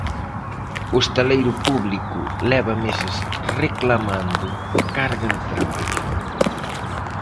O estaleiro público leva meses reclamando carga de traballo.